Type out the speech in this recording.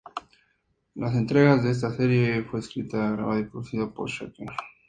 Como todas las entregas de esta serie, fue escrita, grabada y producida por Schenker.